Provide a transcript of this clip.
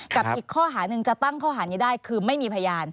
กับอีกข้อหาหนึ่งจะตั้งข้อหานี้ได้คือไม่มีพยาน